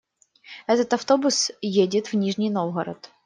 Этот автобус едет в Нижний Новгород.